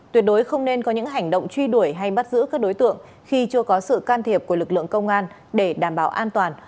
tuyệt đối không nên có những hành động truy đuổi hay bắt giữ các đối tượng khi chưa có sự can thiệp của lực lượng công an để đảm bảo an toàn